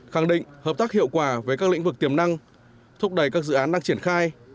khẳng định hợp tác hiệu quả với các lĩnh vực tiềm năng thúc đẩy các dự án đang triển khai